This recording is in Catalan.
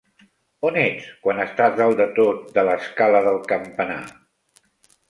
On ets quan estàs dalt de tot de l'escala del campanar?